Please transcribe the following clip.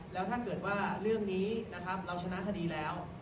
แล้วถ้าเกิดว่าเรื่องนี้นะครับเราชนะคดีแล้ว